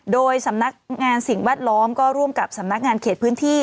โดยสำนักงานสิ่งแวดล้อมก็ร่วมกับสำนักงานเขตพื้นที่